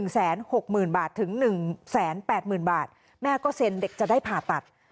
๑แสน๖หมื่นบาทถึง๑แสน๘หมื่นบาทแม่ก็เซ็นเด็กจะได้ผ่าตัด